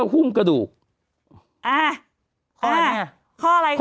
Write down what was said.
กรมป้องกันแล้วก็บรรเทาสาธารณภัยนะคะ